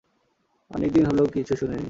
অনেক দিন হল কিছু শুনিনি।